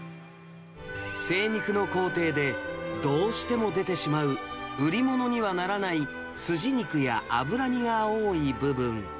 精肉の工程で、どうしても出てしまう、売り物にはならないスジ肉や脂身が多い部分。